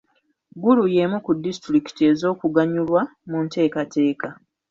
Gulu y'emu ku disitulikiti ez'okuganyulwa mu nteekateeka.